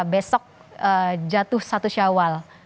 besok jatuh satu syawal